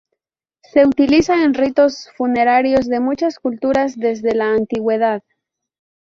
Se utiliza en ritos funerarios de muchas culturas desde la antigüedad.